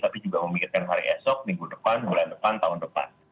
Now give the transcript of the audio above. tapi juga memikirkan hari esok minggu depan bulan depan tahun depan